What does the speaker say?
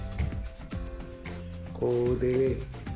ここでね